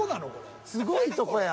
すごいとこや。